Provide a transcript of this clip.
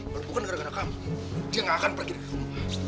kalau bukan gara gara kamu dia nggak akan pergi ke kamu